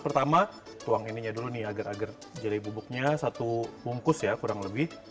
pertama tuang ininya dulu nih agar agar jadi bubuknya satu bungkus ya kurang lebih